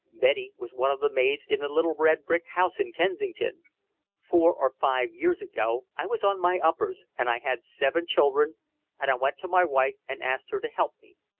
Betty was one of the maids in the little red brick house in Kensington. Four or five years ago I was on my uppers, and I had seven children, and I went to my wife and asked her to help me.